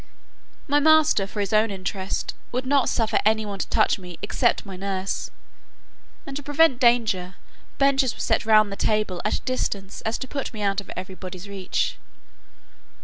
My master, for his own interest, would not suffer any one to touch me except my nurse; and to prevent danger, benches were set round the table at such a distance as to put me out of every body's reach.